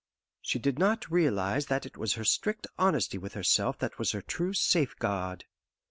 She did not realize that it was her strict honesty with herself that was her true safeguard.